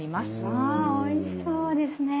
あおいしそうですね。